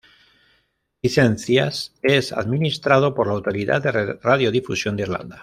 Licencias es administrado por la Autoridad de Radiodifusión de Irlanda.